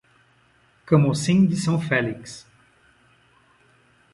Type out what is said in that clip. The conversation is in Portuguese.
Camocim de São Félix